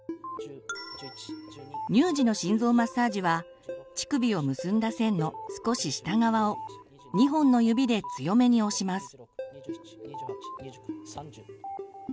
乳児の心臓マッサージは乳首を結んだ線の少し下側を２本の指で強めに押します。